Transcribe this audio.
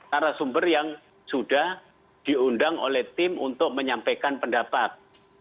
narasumber yang sudah diundang oleh tim untuk menyampaikan pendapat